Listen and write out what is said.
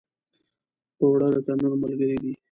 اوړه د تنور ملګری دي